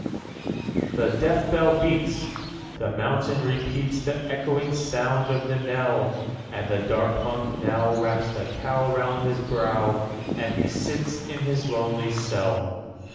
1. The death bell beats! The mountain repeats The echoing sound of the knell; And the dark Monk now Wraps the cowl round his brow, _5 As he sits in his lonely cell.